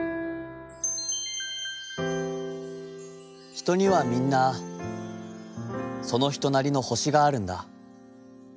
「『ひとにはみんな、そのひとなりの星があるんだ。